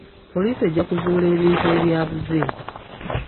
Poliisi ejja kuzuula ebintu ebyabuze.